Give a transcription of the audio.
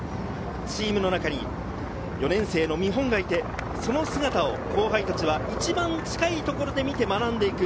チームの中に４年生の見本がいて、その姿を後輩たちは一番近いところで見て学んでいく。